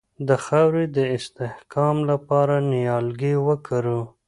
د خاورې د استحکام لپاره نیالګي وکرو.